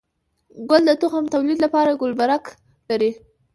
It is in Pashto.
گل د تخم توليد لپاره ګلبرګ لري